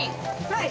はい。